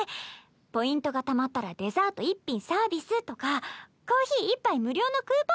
ポイントがたまったらデザート１品サービスとかコーヒー１杯無料のクーポン券をプレゼントとか。